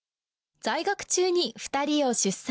在学中に２人を出産。